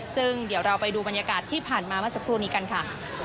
ซึ่งเดี๋ยวเราไปดูบรรยากาศที่ผ่านมาเมื่อสักครู่นี้กันค่ะ